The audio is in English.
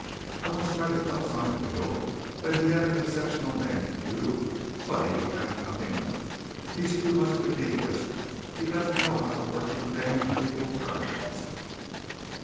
I once tried to tell Summerfield that he had an exceptional man in you, but he would have nothing of it. He's too much of an egoist. He doesn't know how to work with a man on equal terms."